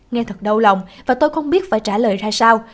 nghe thật đau lòng và tôi không biết phải trả lời ra sao